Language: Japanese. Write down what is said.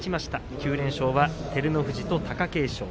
９戦全勝は照ノ富士と貴景勝。